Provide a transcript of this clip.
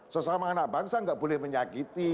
sesama anak bangsa nggak boleh menyakiti